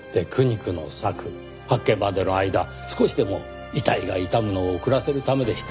発見までの間少しでも遺体が傷むのを遅らせるためでした。